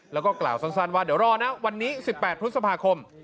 แล้วก็กล่าวสั้นว่าเดี๋ยวรอนะวันนี้๑๘พฤษภาคม